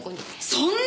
そんな！